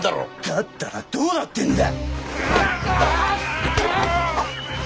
だったらどうだってんだ！？